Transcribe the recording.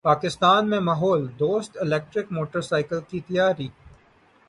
پاکستان میں ماحول دوست الیکٹرک موٹر سائیکلوں کی تیاری